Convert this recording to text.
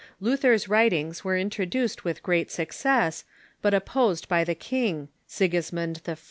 Luther's writings were introduced with great success, but opposed by the king, Sigismund I.